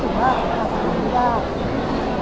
หรือยังไงบ้าง